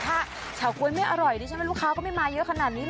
ถ้าเฉาก๊วยไม่อร่อยดิฉันว่าลูกค้าก็ไม่มาเยอะขนาดนี้